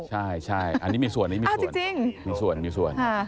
ใช่ใช่ใช่อันนี้มีส่วน